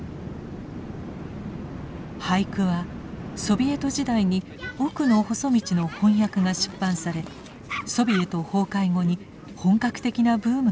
俳句はソビエト時代に「おくのほそ道」の翻訳が出版されソビエト崩壊後に本格的なブームが起きました。